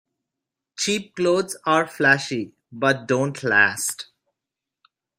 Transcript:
Cheap clothes are flashy but don't last.